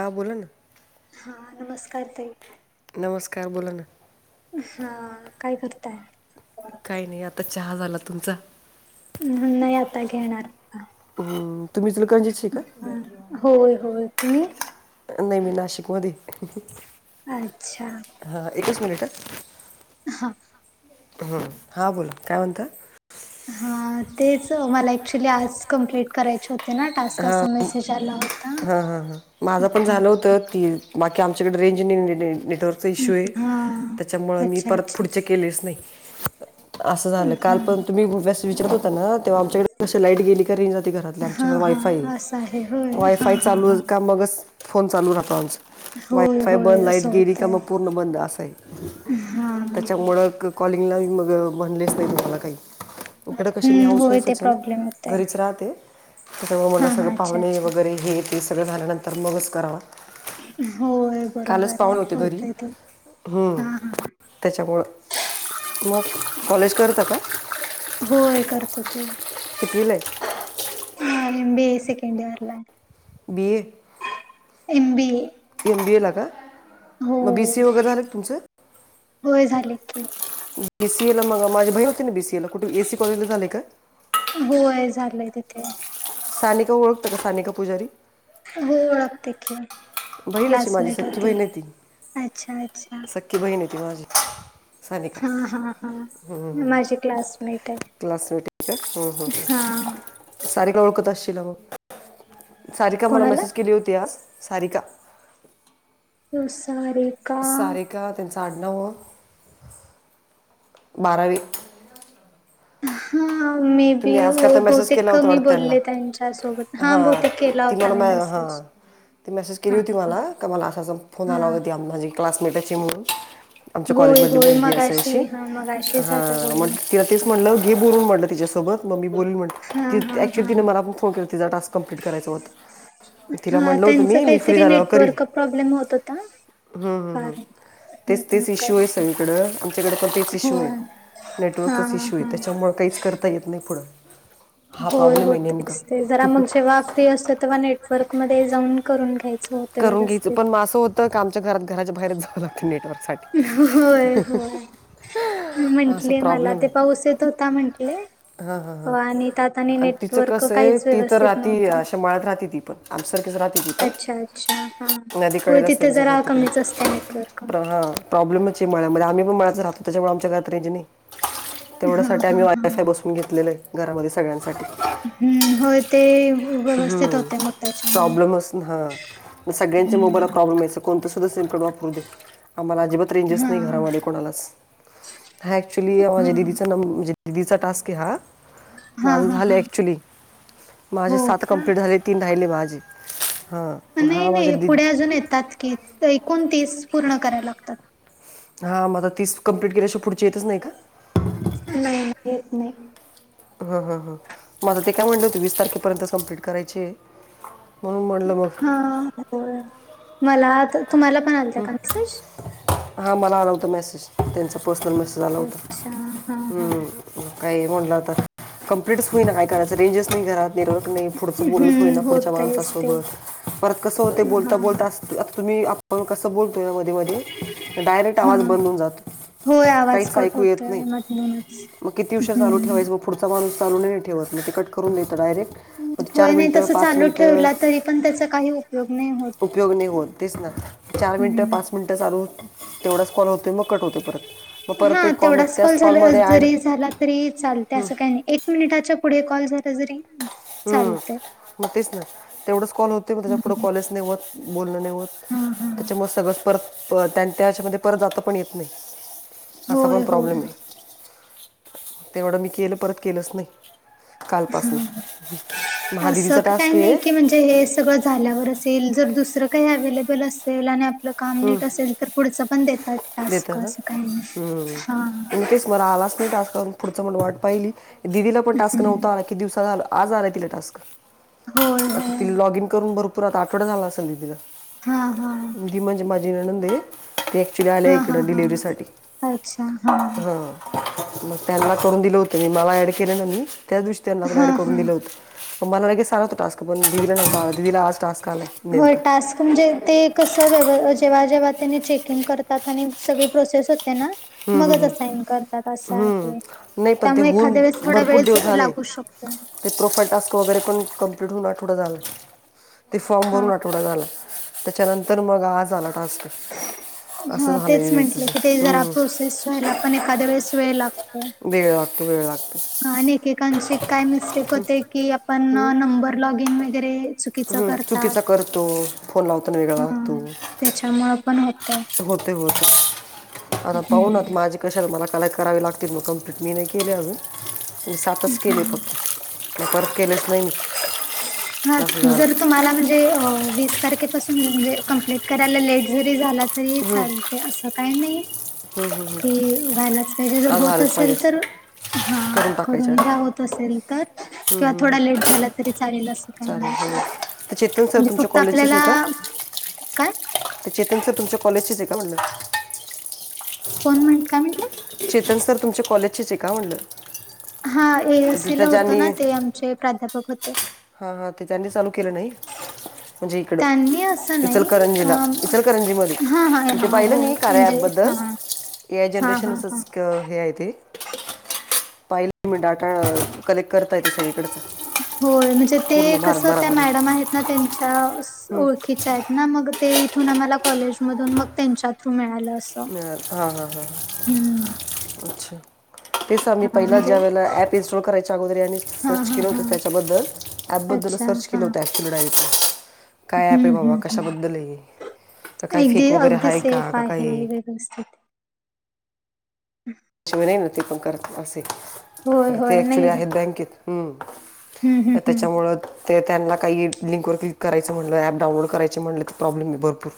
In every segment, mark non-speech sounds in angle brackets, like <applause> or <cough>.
हा बोला ना हा नमस्कार ताई नमस्कार बोला ना उ हा काय करताय? काही नाही आता चहा झाला, तुमचा? उ नाही आता घेणार हा हम्म तुम्ही इचलकरंजीची का? हा होय होय, तुम्ही? अ नई नई नाशिक मधे अच्छा! हां एकच मिनिट. हा. हा हां बोल काय म्हणता? हा तेच मला ऍक्च्युली आर्ज कमप्लीट करायचे होत. ते ना टास्का असा मेसेज आला होता. हा हा हां. माझं पण झालं होतं ती बाकी आमच्याकडे रेंज नेटवर्क <unintelligible> इशू हे हा त्याच्यामुळे मी अच्छा परत अच्छा पुढचे केलेच नाही. असं झालं काल पण तुम्ही गु <unintelligible> घ्यास विचार होता ना तेव्हा आमच्याकडे कशी लाईट गेली. तरेंजनव्हती हा घरातल्याआमच्या वायफाय हे हा असं आहे होय हा वायफाय हा चालू हा मगच फोन चालू राहतो आमच. होय वायफाय होय बंद लाईट असं गेली का होतय म पूर्ण बंद असाय हा त्याच्यामुळ क कॉलिंगला मग म्हणलेच नाही तुम्हाला काही. <unintelligible> ईकडं कशी मी हम्म होय ते हाऊसवाईफच हे ना, प्रॉब्लेम होतय. घरीच राहते. त्याच्यामुळे म्हणल हा सगळं हा अच्छा पाहुणे अच्छा वगैरे हे ते सगळं झाल्यानंतर मगच करावं. होय बरोबर आहे होतय ते. हम्म हा हा त्याच्यामुळें मग कॉलेज करता का? <unintelligible> होय करतो की. कितवीला हे. हा एमबीए सेकंड इयरला हे. B A. M B A. M B एला का हो म बी सी वगैरे झालं तुमचं? होय झाली की. बीसी ए ला मग माझी बहीन होती ना, बीसीएला कुठे एसी कॉलजला झाले का? होय झालंय तिथे. सानिका ओळखतं का सानिका पुजारी हो ओळखते की बहीणची माझी क्लासमेंट सख्खी होती बहीण आहे ती अच्छा अच्छा. सख्खी ती बहीन हे तीमाझी. हा हा हा माझी क्लासमेट हाय. क्लासमेट आहे का हम्म हम्म. सारिका ओळखत असशील मग सारिका मला कोणाला मेसेज केली होती आज सारिका हो सारिका. सारिका त्यांच आडनाव. बारावी. हा. मे बी तुम्ही आज का तर मेसेज केला होता बहुतेकमी वाटतं त्यांना बोलले त्यांच्यासोबत हां बहुतेक केला ती होता मला मी मॅ मेसेज. हां ती मेसेज केली हा होती हा मला का मला असा फोन हा आला होती माझे क्लासमेटाच म्हणून आमच्या होय कॉलेजमधली होय मुलगी मगाशी असायची हा मगाशी झालं हा मग बोलणं <unintelligible> तिला तेच म्हटलं घे बोलून म्हटलं तिच्यासोबत मम्मी बोलाली म्हण हा ती त हा हा ऍक्च्युली तिने मला पण फन केला तिचा टस्क कंप्लीट करायचं होता. तिला हा म्हणलं होतं त्यांचा मी मी फ्री काहीतरी झाल करीन नेटवर्क प्रॉब्लेम होत होता हम्म हम्म फार हम्म. तेच हम्म तेच इशू हे कशी सगळीकडं आमच्याकडे पण तेच इशू होय हे हा नेटवर्कचाच हा इशू हे हा त्याच्यामुळं काहीच करता येत नाही पुढं. हा होय प्रॉब्लेम हो आहे नेमका तेच ते जरा मग जेव्हा फ्री असत तेव्हा नेटवर्क मध्ये जाऊन करून घ्याय करून घ्यायचं पण म असं होतं का आमच्या घरात घराच्या बाहेरच जावं लागते नेटवर्क साठी. होय होय. असं म्हंटले मला ते पाऊस येत होता म्हटले. हा हा हा आण तिचं कसं हे काहीच ति तर व्यवस्थित राहती नव्हतं अशा मळात राहते ती. पण आमच्या सारखा. <unintelligible> अच्छा, अच्छा, हा, हो तिथे त्यांचं घर जरा तिकडे कमीच असते नेटवर्क. प्र हां प्रॉब्लेमच आहे मळ्यामध्ये आम्ही पण मळ्यात राहतो त्याच्यामुळे आमच्या घरात राहिजे नाही हा तेवढ्यासाठी आम्ही हा वाय हा फाय बसून घेतलेलं आहे घरामध्ये सगळ्यांसाठी हम्म होय ते व्यवस्थित होते मग त्याच्यामुळे. प्रॉब्लेमच सगळ्यांच्या मोबाईलला हम्म. प्रॉब्लेमयच कोणतं सुद्धा सिम वापरू दे आम्हाला अजिबात रेंजेस हा नाही घरामध्ये कोणालाच. हा ऍक्च्युअली हा माझ्या दिदीचा नंब दिदीचा टास्क आहे हा हा माझ हा झालं हा ऍक्च्युली हो माझे सात का? कंप्लीट झाले तीन राहिले माझे हा. नाही, माझ्या नाही दीदी पुढे अजून येतात की एकुण तीस पूर्ण करायला लागतात. हा मला तीस कम्प्लीट केल्याशिवाय पुढचे येतच नाही का? नाही, नाही येत नाही. ह, ह, ह माझं ते काय म्हणलं होते वीस तारखेपर्यंत कम्प्लीट करायचे म्हणून म्हटलं मग हा, हो मला तुम्हाला पण आला था का मेसेज? हा मला आला होता मेसेज त्यांचा पर्सनल मेसेज आला होता. अच्छा हा हा. काही म्हणलं तर. कंप्लीटस नाहीय कराचं रंजेस नाही घरात निरोक नाही पुढचं बोलणच होई ना हम्म पुढच्या होतयच ते माणसासोबत परत कसं होते बोलता, बोलता अस आ तुम्ही आपण कसं बोलतो या मध्ये, मध्ये डायरेक्ट हा. आवाज बंद होऊन जातो. होय आवाज काहीच कट ऐकू येत नाही होतोय मधूनच मग किती विषय चालू हम्म. ठेवायच मग पुढचा माणूस चालू नाही ठेवत नाही कट करून देता डायरेक्ट ते चार होय नाही मिनिट, तसं पाच चालू मिनिट ठेवला तरी पण त्याचा काही उपयोग नाही होत. उपयोग नाही होत तेच ना चार मिनिटं, हम्म. पाच मिनिटं चालू तेवढाच कॉल होतो मग कट होते परत. मग परत हा एक मग तेवढाच कॉल त्याच झाला कॉलमध्ये ॲड जरी झाला तरी चालते असं काही नाही एक मिनिटाच्या पुढे कॉल झाला जरी हम्म चालते मग तेच ना तेवढंच कॉल होते मग त्याच्या पुढं कॉलेच नाही होत बोलण नाही होत. हा हा त्याच्यामुळे सगळंच परत त्यां त्याच्यामध्ये परत जात पण येत नाही. असा पण होय होय प्रॉब्लेम आहे तेवढं मी केलं परत केलंच नाही. हम्म.. म हा दीदीचा टास्क आहे. म्हणजे हे सगळं झाल्यावर असेल जर दुसरं काही अव्हेलेबल असेल आणि आपलं काम हम्म, नीट असेल तर पुढच पण देतात देता टास्क ना असं काही नाही हा. वर आलाच नाही टास्क करून पुढंच मगं वाट पाहिली दिदीला पण टास्क नव्ह ता किती दिवस झालं. आज आलाय टास्क होय होय तिनं लॉगिन करून भरपूर पूरख आठवडा झाला असल दिदीला. हा, हा. दीदी म्हणजे माझी नणंद आहे ती ॲक्च्युली आली हा हा इकडं हा डिलेव्हरीसाठी हा मग त्यांना करून दिलं होतं मी मला ऍड केलं ना मी त्याच दिवशी त्यांना पण हा ऍड करून हा दिलं होतं. मला लगेच आला होता टास्क पण दीदीला आज टास्क आलाय होय नेमका टास्क म्हणजे ते कसं व्य जेव्हा, जेव्हा त्याने चेकिंग करतात आणि सगळी प्रोसेस होते ना. मगच असाईन करतात असं हम्म. आहे नाही पण ते त्यामुळे एखाद्या होऊन वेळेस थोडा भरपूर वेळ दिवस झाले लागू शकतो. ते प्रोफाईल टास्क वगैरे पण कंप्लीट होऊन आठवडा झाला ते फॉर्म हा भरून आठवडा झाला. त्याच्यानंतर मग आज आला टास्क. असं हा झालं आहे तेच म्हटलं की ते जरा दिदीचं प्रोसेस व्हायला पण एखाद्या वेळेस वेळ लागतो. वेळ लागतो, वेळ लागतो. आणि एकेकांची काय मिस्टेक होते की आपण नंबर लॉगिन वगैरे. चुकीचं ह करतात. चुकीचा करतो फोन लावताना वेगळा लागतो. त्याच्यामुळे पण होतय. होते, होते आता पाहूनत माझी कशाला मला कलेक्ट करावे लागतील मकम. चटणी नाही केली अजून सातच केली हा. फक्त. आणि परत केलेच नाही मी. ह असं झालं जर तुम्हाला म्हणजे वीस तारखेपासून म्हणजे कम्प्लीट जर करायला लेट जरी झालात तरी चालतंय असं काही नाही. कि झालाच पाहिजे जर आज होत झालंच असेल पाहिजे तर हा टाकायच्या करून घ्या आज. होत असेल तर. किंवा थोडा लेट झाला तरी चालेल अस काही चालेल नाही हां तर चेतन सर म्हणजे तुमच्या फक्त क्त कॉलेजचेच आपल्याला आहे का काय ते चेतन सर तुमच्या कॉलेजचेच आहे का म्हणलं? कोण म्हण काय म्हटलां? ते चेतन सर तुमच्या कॉलेजचेच हाय का म्हणलं? हा ए एस ते सी ला त्या होते ना ते आमचे प्राध्यापक होते. हा हा ते त्यांनी चालू केलं ना हे? म्हणजे इकड त्यांनी असं नाही अ, इचलकरंजीला इचलकरंजी मध्ये हा हा इथे हा पाहिलं हो मी. कार्या म्हणजे ॲपबद्दल हा. ए आय हा हा हा जनरेशनसच हे आहे ते. पाहिला मी डाटा कलेक्ट करतायत सगळीकडचा. होय म्हणजे ते कस त्या मॅडम आहेत ना त्यांच्या ओळखी च्या आहेत ना मग ते इथून आम्हाला कॉलेज मधून मग त्यांच्या थ्रू मिळालं. असं मिळालं हा हा हा हम्म अच्छा! ते आम्ही हा पहिला म्हणजे ज्या वेळेला ऍप इन्स्टॉल करायच्या अगोदर यांनी हा सर्च हा केलं होत हा त्याच्याबद्दल. ॲप बद्दल अच्छा सर्च हा केलं होतं ऍकचुली डायरेक्ट काय ऍप आहे हम्म बाबा हम्म हम्म. कशाबद्दल आहे, का काही फेक वगैरे हाय का का आहे. नसतेत. <inaudible> त्याशिवाय नाही ना ते पण करत असे आ होय ते होय नाही ऍक्च्युली आहेत बँकेत हम्म हम्म हम्म त्याच्यामुळं ते त्यांना काही लिंकवर क्लिक करायच म्हणलं अँप डाऊनलोड करायचे म्हणलं तर प्रॉब्लेम आहे भरपूर.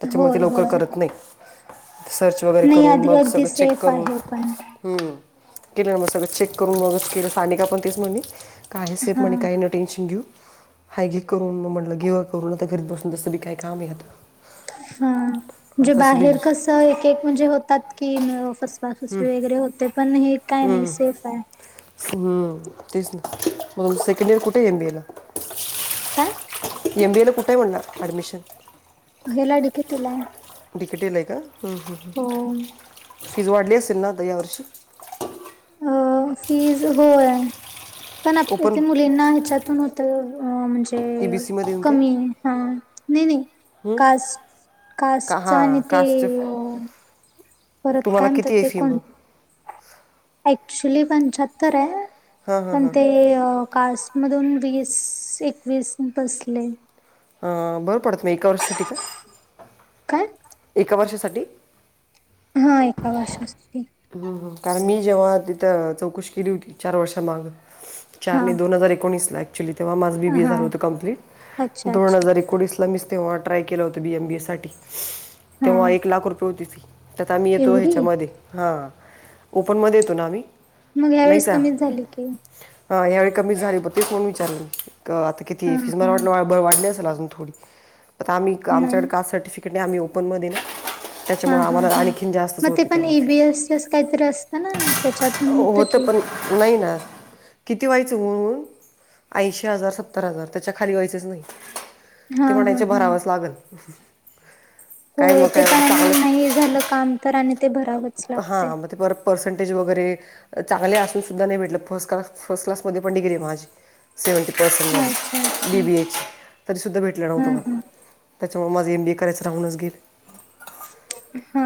त्याच्यामुळ ती होय लवकर होय करत नाही सर्च वगैरे नाही करून आधी मग अगदी सगळ चेक सेफ आहे पण हम्म केलं म सगळं चेक करून मगच केलं सानिका पण तेच म्हणी आहे सेफ हा म्हणे काही नको टेन्शन घेऊ. हा घे करून म म्हणलं घेऊया करून आता घरी बसून तसं बी काय काम हाय आता. हा म्हणजे तसं बी बाहेर कस एक एक म्हणजे होतात की फसं सवी वगैरे होते पण हे काय नाही सेफ आहे. हम्म तेच ना, मग सेकंड इयर कुठे एम बी ए ला? काय? एम बी एला कुठाय म्हनल ऍडमिशन? हेला डिकेटीला हाय. डिकेटीला हाय का! फीज वाढली असेल ना आता यावर्षी? फीज होय. पण आत्ता ओपन ते मुलींना ह्याच्यातून होतं म्हणजे ई बी सीमध्ये येऊन काय कमी हा नाही नाही कास कास का च आणि हां ते कास्टचं परत तुम्हाला काय किती ए फी मग? अक्चुली पंच्याहत्तर आहे हां हां पण ते कास मधून वीस एकवीस बसले. अ बर पडत नाही का एका वर्षासाठी काय? काय? एका वर्षासाठी? हा एका वर्षासाठी. हां कारण मी जेव्हा तिथं चौकशी केली होती चार वर्षा माग चार हा नाही दोन हजार एकोणीस ला अक्चुली तेव्हा माझ बी बीए हा झालं होत कंप्लीट अच्छा दोन अच्छा हजार एकोणीस मीच तेव्हा ट्राय केलं होतं बी एम बी ए साठी हा तेव्हा एक लाख रुपये होती फी त्यात आम्ही तो एवढी ह्याच्यामध्ये हा ओपन मध्ये येतो ना आम्ही. मग ह्या वेळेस कमीच झाली फी. हा या वेळी कमीच झाली ब ते म्हणून विचारले. आता किती हा फिज मला हा वाट वाढली असेल अजून थोडी. आता आम्ही नाही आमच्याकडे कास्ट सर्टिफिकेट नाही आम्ही ओपनमध्ये ये ना हा त्याच्यामुळं हा आम्हाला हा आणखीन जास्त मग ते पण ए बी एसच काहीतरी असतं ना त्याच्यातून होतं की. नाही ना किती व्हायचं होऊन होऊन. ऐंशी हजार सत्तर हजार त्याच्या खाली व्हायचेच नाही हा ते हा म्हणायचे हा भरावच लागल. हो तेे पण आणि नाही झालं काम तर आणि ते पण हा म ते परत पर्सेंटेज वगैरे चांगले असून सुद्धा नाही भेटल फस क्लास फर्स्ट क्लासमध्ये पण डिग्री आहे माझी. सेव्हनटी अच्छा अच्छा पर्सेंटमध्ये बी बी एच तरी सुुद्धा भेटलं नव्हतं हा मला. हा त्याच्यामुळे माझं एम बी ए करायचं राहूनच गेल. हा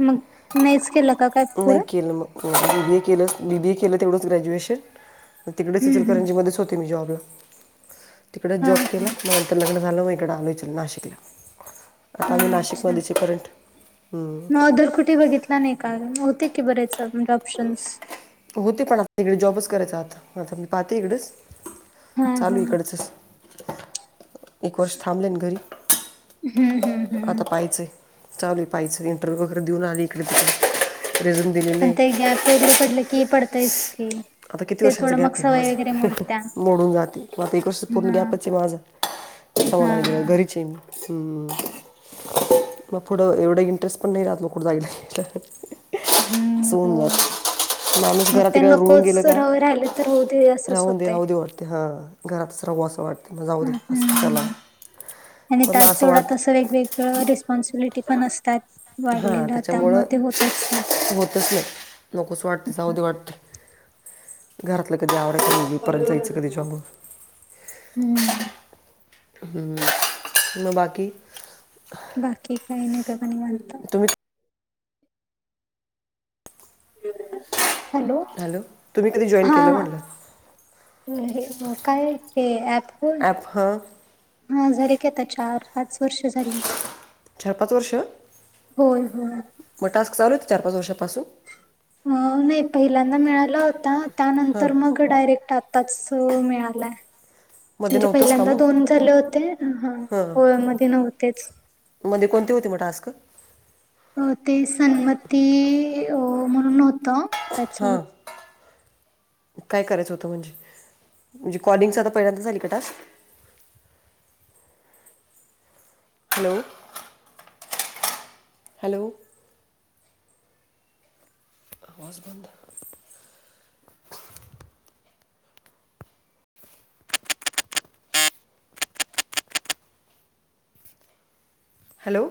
मग नाहीच केलं का काय नाही पुढं? बी बीए केलं बी बीए केलं तेवढंच ग्रॅज्युएशन. मग तिकडेच हम्म इचलकरंजी हम्म मध्येच होती मी जॉबला. तिकडच हा जॉब केला हा मग इकड लग्न झाल मग इकड आले नाशिकला हा आम्ही नाशिकमध्येच <unintelligible> हम्म. ऑदर कुठे बघितला नाही का होते की बरेच अजून म्हणजे ऑप्शन्स. होते पण आता इकडे जॉबच करायच आता आता मी पाहते इकडेच हा हा चालू इकडच. एक वर्ष थांबले ना घरी हम्म हम्म हम्म आता पाहिचंय. चालूय पाहिच इंटरव्ह्यू वगैरे देऊन आली इकडे तिकडं रेझुम पण ते गॅप वगैरे पडलं की पडतयच की. आता किती ते वर्षांचा थोडं गॅप मग आहे सवय वगैरे माझं मोडत्या मोडून जाते मग आता एक वर्ष पूर्ण हा गॅपच आहे माझा. हा होना हा ग घरीचे मी. हम्म् मग पुढ एवढं इंटरेस्ट पण नाही राहत मग कुठ जायला. हम्म असं होऊन जात. होय माणूस मग ते एकदा रुळून नकोच गेल का राह राहिले तर होऊ दे असंच राहू दे होतय. राहू दे वाटते हां. घरातच राहू असं वाटत. हम्म् आणि पण त्या मग असं तेवढा तस वाटतं वेगवेग रिस्पॉन्सबिलीटी पण असतात. हा वाढलेलं त्याच्यामुळ त्यामुळे ते होतच नाही. होतच नाही. नकोच वाटते जाऊदे वाटत घरातल कधी आवरायच परत जायच कधी जॉबला ‌ हम्म् हम्म् म बाकी बाकी काही नाही सगळं निवांत. तुम्ही हम्म् हॅलो तुम्ही कधी जॉईन केल म्हणल? अ हे काय हे ऍप होय. ॲप हं हा झाले की आता चार पाच वर्ष झाली. चार पाच वर्ष होय होय. मग टास्क चालू आहे चार पाच वर्षापासून. अ नाही पहिल्यांदा मिळाला होता त्यानंतर मग तो डायरेक्ट आताच मिळालाय. मध्ये म्हणजे नव्हतंच का पहिल्यांदा मग दोन झाले होते हा होय मध्ये नव्हतेच. मध्ये कोणते होते मग टास्क? अ ते सन्मती म्हणून अ होत. हं. काय करायच होत म्हणजे, म्हणजे कॉलिंगच आता पहिल्यांदा आले का टस्क? <unintelligible> हॅलो! आवाज बंद हॅलो!